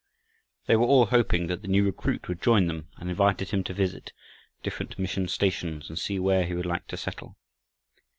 They were all hoping that the new recruit would join them, and invited him to visit different mission stations, and see where he would like to settle.